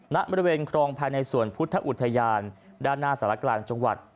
ณบริเวณครองภายในส่วนพุทธอุทยานด้านหน้าสารกลางจังหวัด